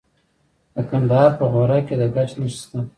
د کندهار په غورک کې د ګچ نښې شته.